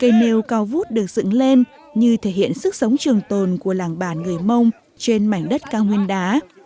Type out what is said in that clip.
cây nêu cao vút được dựng lên như thể hiện sức sống trường tồn của làng bản người mông trên mảnh đất cao nguyên đá